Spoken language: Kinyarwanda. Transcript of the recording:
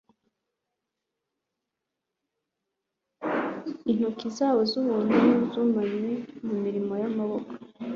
Intoki zabo zubuntu zunamye ku mirimo yamaboko